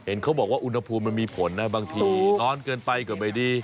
เขาบอกว่าอุณหภูมิมันมีผลนะบางทีร้อนเกินไปก็ไม่ดี